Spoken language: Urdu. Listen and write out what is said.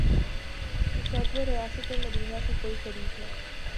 تصور ریاست مدینہ کے کوئی قریب ہے۔